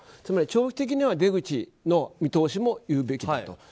つまり長期的には出口の見通しも言うべきだと。